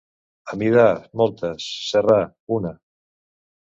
Amidar, moltes; serrar, una.